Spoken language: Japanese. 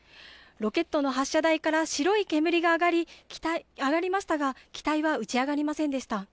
ロケットの発射台から白い煙が上りましたが機体は打ち上がりませんでした。